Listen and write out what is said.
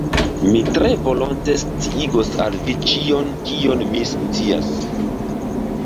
Mi tre volonte sciigos al vi ĉion, kion mi scias.